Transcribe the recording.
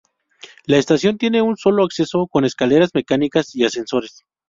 La estación tiene un sólo acceso con escaleras mecánicas y ascensores.